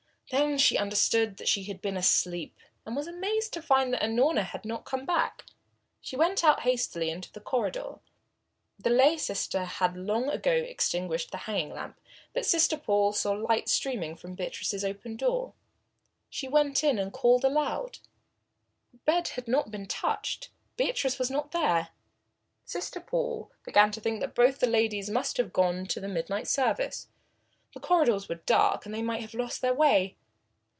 Then she understood that she had been asleep, and was amazed to find that Unorna had not come back. She went out hastily into the corridor. The lay sister had long ago extinguished the hanging lamp, but Sister Paul saw the light streaming from Beatrice's open door. She went in and called aloud. The bed had not been touched. Beatrice was not there. Sister Paul began to think that both the ladies must have gone to the midnight service. The corridors were dark and they might have lost their way.